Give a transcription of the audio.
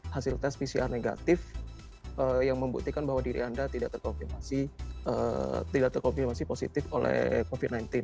hasil tes pcr negatif yang membuktikan bahwa diri anda tidak terkonfirmasi tidak terkonfirmasi positif oleh covid sembilan belas